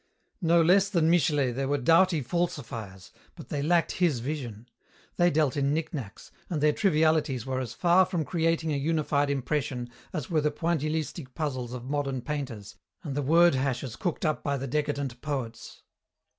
No less than Michelet they were doughty falsifiers, but they lacked his vision. They dealt in knickknacks, and their trivialities were as far from creating a unified impression as were the pointillistic puzzles of modern painters and the word hashes cooked up by the decadent poets.